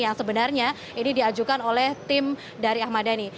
yang sebenarnya ini diajukan oleh tim dari ahmad dhani